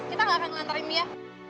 kita nggak akan ngelantarin dia